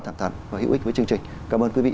thảm thần và hữu ích với chương trình cảm ơn quý vị